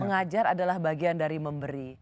mengajar adalah bagian dari memberi